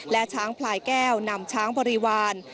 และช้างพลายแก้วนำช้างบริวาร